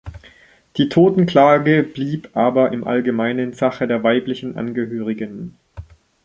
Die Totenklage blieb aber im Allgemeinen Sache der weiblichen Angehörigen.